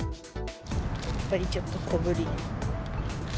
やっぱりちょっと小ぶり。